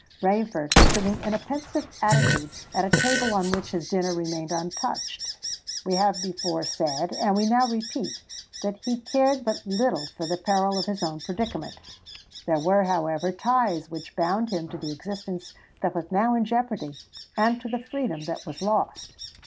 Rainford was sitting in a pensive attitude at a table on which his dinner remained untouched. We have before said—and we now repeat—that he cared but little for the peril of his own predicament: there were, however, ties which bound him to the existence that was now in jeopardy, and to the freedom that was lost.